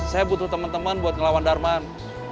saya butuh teman teman buat ngelawan darman